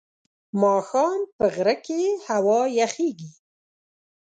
ماښام په غره کې هوا یخه کېږي.